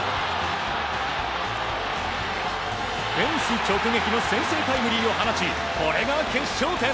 フェンス直撃の先制タイムリーを放ちこれが決勝点。